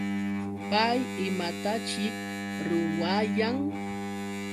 ¿Pay imataćhik ruwayan?